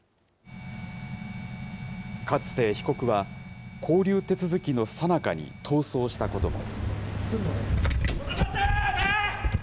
かつて被告は、勾留手続きのさなかに逃走したことも。